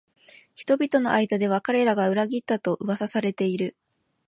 人々の間では彼らが裏切ったと噂されている